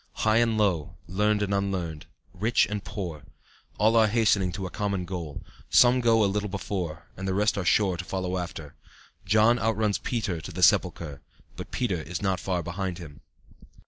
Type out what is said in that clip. High and low, learned and unlearned, rich and poor, all are hastening to a common goal; some go a little before and the rest are sure to follow after; John outruns Peter to the sepulchre, but Peter is not far behind him.